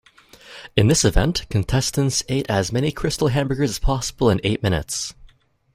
In this event, contestants ate as many Krystal hamburgers as possible in eight minutes.